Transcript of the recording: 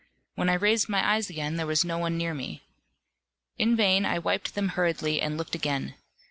When I raised my eyes again, there was no one near me. In vain I wiped them hurriedly and looked again. Mr.